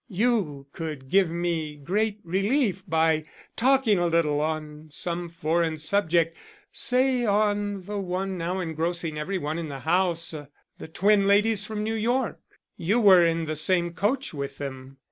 You could give me great relief by talking a little on some foreign subject, say on the one now engrossing every one in the house, the twin ladies from New York. You were in the same coach with them.